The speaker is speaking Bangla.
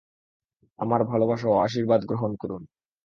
আমার ভালবাসা ও আশীর্বাদ গ্রহণ করুন।